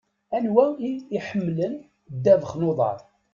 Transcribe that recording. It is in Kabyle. Anwa i iḥemmlen ddabex n uḍaṛ?